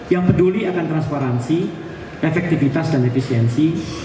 yang peduli akan transparansi efektivitas dan efisiensi